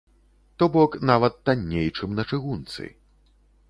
То бок нават танней, чым на чыгунцы.